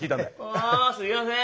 あすいません。